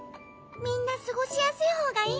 みんなすごしやすいほうがいいもんね。